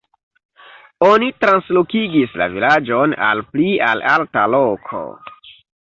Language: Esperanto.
Oni translokigis la vilaĝon al pli al alta loko.